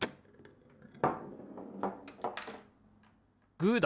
グーだ！